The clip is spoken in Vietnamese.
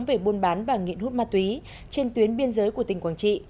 về buôn bán và nghiện hút ma túy trên tuyến biên giới của tỉnh quảng trị